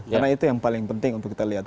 karena itu yang paling penting untuk kita lihat